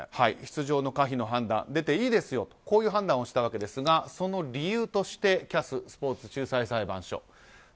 出場の可否の判断出ていいですよとこういう判断をしたわけですがその理由についてＣＡＳ・スポーツ仲裁裁判所。